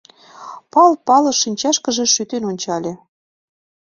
— Пал Палыч шинчашкыже шӱтен ончале.